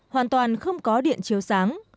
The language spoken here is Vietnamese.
hoàn toàn không có điện chiếu sáng